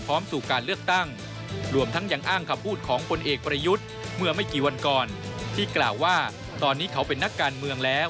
สู่การเลือกตั้งรวมทั้งยังอ้างคำพูดของพลเอกประยุทธ์เมื่อไม่กี่วันก่อนที่กล่าวว่าตอนนี้เขาเป็นนักการเมืองแล้ว